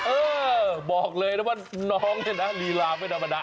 เออบอกเลยนะว่าน้องเนี่ยนะลีลาไม่ธรรมดา